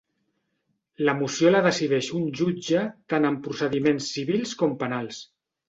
La moció la decideix un jutge tant en procediments civils com penals.